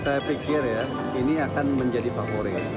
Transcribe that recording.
saya pikir ya ini akan menjadi favorit